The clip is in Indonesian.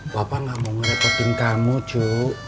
papa enggak mau ngerepotin kamu cu